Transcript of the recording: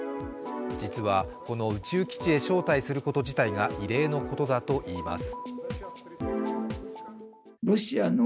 実は、この宇宙基地へ招待すること自体が異例のことだといいます。